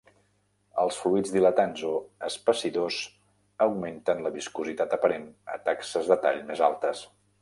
Els fluids dilatants o "espessidors" augmenten la viscositat aparent a taxes de tall més altes.